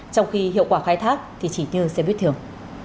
trong khi hiệu quả khai thác thì chỉ tiêu xe buýt thường